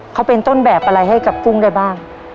เขาเป็นต้นแบบอะไรให้กับกุ้งได้บ้าง